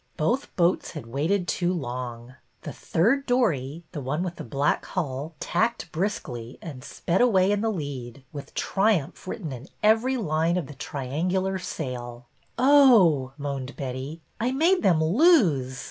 Both boats had waited too long. The third dory, the one with the black hull, tacked briskly and sped away in the lead, with triumph written in every line of the triangular sail. Oh !" moaned Betty. I made them lose